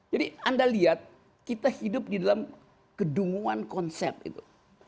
jadi anda lihat kita hidup di dalam kedunguan konsep itu